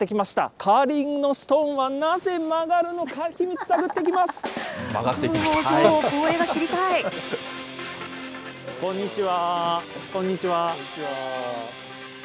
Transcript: カーリングのストーンはなぜ曲がるのか、秘密探ってきます。